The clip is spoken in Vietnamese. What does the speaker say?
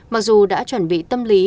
mặc dù đã chuẩn bị tâm lý